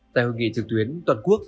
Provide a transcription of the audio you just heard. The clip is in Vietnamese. tại hội nghị thực tuyến toàn quốc